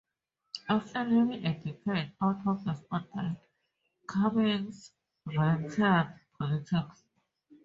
After nearly a decade out of the spotlight, Cummings reentered politics.